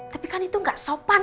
tapi kan itu gak sopan